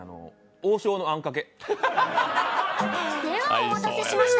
王将のあんかけ。